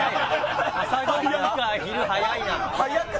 朝ごはんから昼早いな。